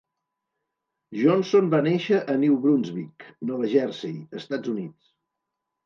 Johnson va néixer a New Brunswick, Nova Jersey, Estats Units.